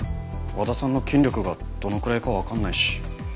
和田さんの筋力がどのくらいかわかんないし。